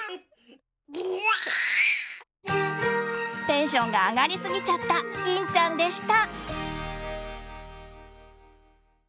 テンションが上がりすぎちゃったぎんちゃんでした。